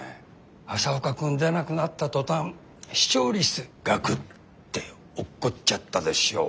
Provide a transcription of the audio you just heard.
朝岡君出なくなった途端視聴率ガクッて落っこっちゃったでしょう。